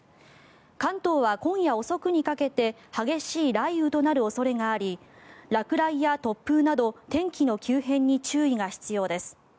関東は今夜遅くにかけて激しい雷雨となる恐れがあり落雷や突風など天気の急変に注意が必要です。